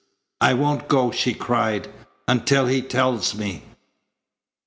"I won't go," she cried, "until he tells me."